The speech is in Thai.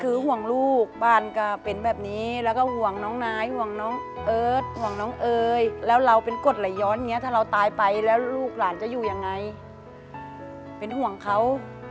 คือห่วงลูกบ้านก็เป็นแบบนี้แล้วก็ห่วงน้องนายห่วงน้องเอิร์ทห่วงน้องเอ๋ยแล้วเราเป็นกฎไหลย้อนอย่างนี้ถ้าเราตายไปแล้วลูกหลานจะอยู่ยังไงเป็นห่วงเขา